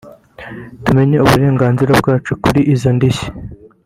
tumenye uburenganzira bwacu kuri izo ndishyi